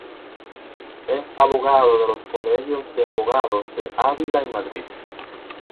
Es abogado de los Colegios de Abogados de Ávila y Madrid.